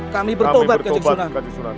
kami bertobat kanjeng sunan